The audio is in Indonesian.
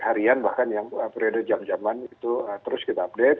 harian bahkan yang periode jam jaman itu terus kita update